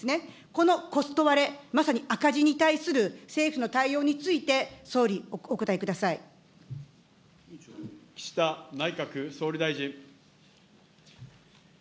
このコスト割れ、まさに赤字に対する政府の対応について総理、お岸田内閣総理大臣。